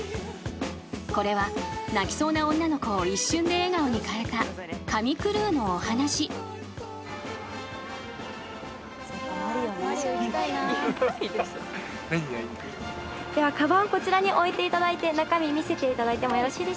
［これは泣きそうな女の子を一瞬で笑顔に変えた神クルーのお話］ではかばんをこちらに置いていただいて中身見せていただいてもよろしいでしょうか？